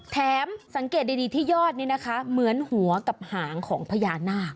สังเกตดีที่ยอดนี้นะคะเหมือนหัวกับหางของพญานาค